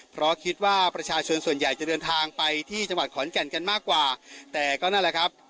เพราะคิดว่าประชาชนส่วนใหญ่จะเดินทางไปที่จังหวัดขอนแก่นกันมากกว่าแต่ก็นั่นแหละครับ